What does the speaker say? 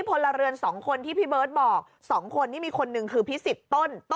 พลเรือน๒คนที่พี่เบิร์ตบอก๒คนนี่มีคนหนึ่งคือพิสิทธิ์ต้น